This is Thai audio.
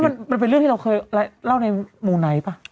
มันเป็นเรื่องที่เราเคยเล่าในหมู่ไหนป่ะ